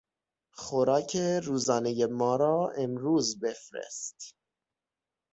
خوراک روزانهی ما را امروز بفرست.